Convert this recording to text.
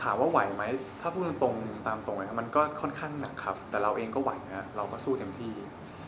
ว่าไหวไหมถ้าพูดตรงตามตรงนะครับมันก็ค่อนข้างหนักครับแต่เราเองก็ไหวนะเราก็สู้เต็มที่